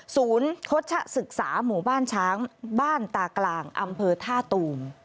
โฆษศึกษาหมู่บ้านช้างบ้านตากลางอำเภอท่าตูม